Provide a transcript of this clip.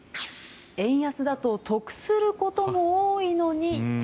円安だと得することも多いのに。